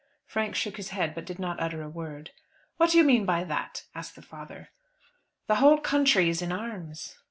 Frank shook his head, but did not utter a word. "What do you mean by that?" asked the father. "The whole country is in arms."